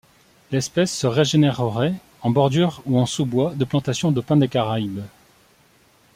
L'espèce se régénérerait en bordure ou en sous-bois de plantations de pins des Caraïbes.